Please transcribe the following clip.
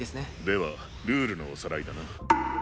ではルールのおさらいだな。